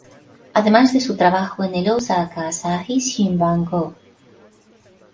Además de su trabajo en el Osaka Asahi Shimbun Co.